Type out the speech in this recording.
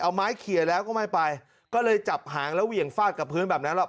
เอาไม้เคลียร์แล้วก็ไม่ไปก็เลยจับหางแล้วเหวี่ยงฟาดกับพื้นแบบนั้นแล้ว